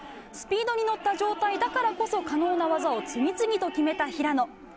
スピードに乗った状態だからこそ可能な技を次々と決めた平野。